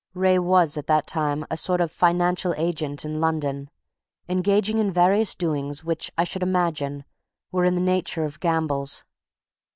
Wraye was at that time a sort of financial agent in London, engaging in various doings which, I should imagine, were in the nature of gambles.